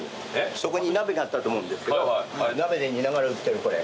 そこに鍋があったと思うんですけど鍋で煮ながら売ってるこれ。